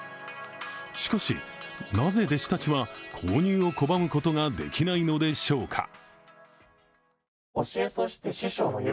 しかし、なぜ弟子たちは購入を拒むことができないのでしょうか。